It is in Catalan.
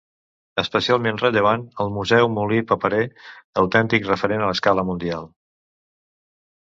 Especialment rellevant el Museu Molí Paperer, autèntic referent a escala mundial.